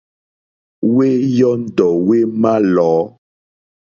Wé yɔ́ndɔ̀ wé mà lɔ̌.